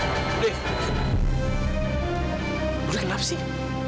bu de bu de kenapa sih